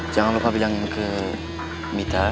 jangan lupa pegang ke mita